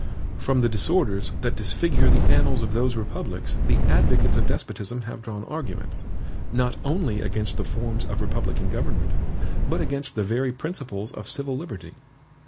From the disorders that disfigure the annals of those republics the advocates of despotism have drawn arguments, not only against the forms of republican government, but against the very principles of civil liberty.